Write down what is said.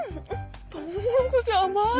とうもろこし甘い。